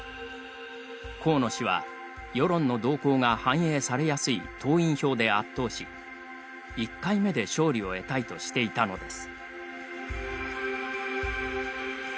河野氏は、世論の動向が反映されやすい党員票で圧倒し１回目で勝利を得たいとしていたのです。